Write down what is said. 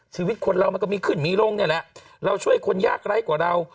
ชีวิตคนเรามันก็มีขึ้นมีลงเนี่ยแหละเราช่วยคนยากไร้กว่าเรา